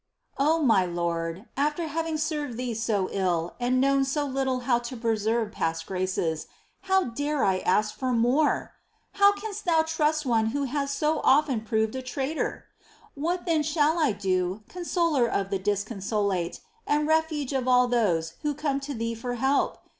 I. O my Lord ! after having served Thee so ill and known so little how to preserve past graces, how da re I ask for more ? How canst Thou trust one who has so often proved a traitor ? What then shall I do, Con soler of the disconsolate and Refuge of all those who come to Thee for help